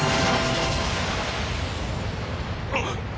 あっ。